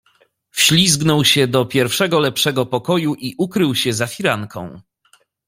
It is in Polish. "Wślizgnął się do pierwszego lepszego pokoju i ukrył się za firanką."